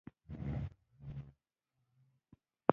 • دښمني د بربادۍ نښه ده.